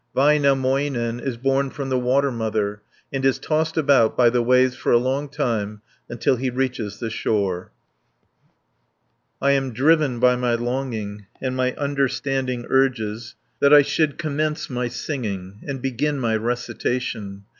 Väinämöinen is born from the Water Mother, and is tossed about by the waves for a long time until he reaches the shore (281 344). I am driven by my longing, And my understanding urges That I should commence my singing; And begin my recitation.